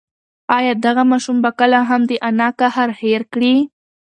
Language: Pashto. ایا دغه ماشوم به کله هم د انا قهر هېر کړي؟